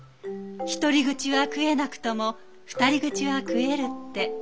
一人口は食えなくとも二人口は食えるって。